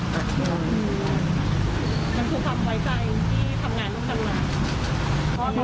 มันคือคำไว้ใจที่ทำงานตรงหน่อย